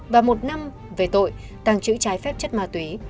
và một năm về tội tàng trữ trái phép chất ma túy